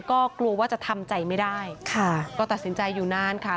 ก็กลัวว่าจะทำใจไม่ได้ค่ะก็ตัดสินใจอยู่นานค่ะ